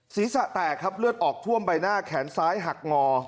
ศีรษะแตกครับเลือดออกท่วมใบหน้าแขนซ้ายหักงอ